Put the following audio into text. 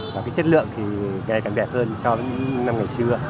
và cái chất lượng thì càng đẹp hơn so với năm ngày xưa